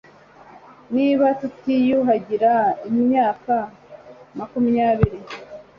niba tutiyuhagira imyaka makumyabiri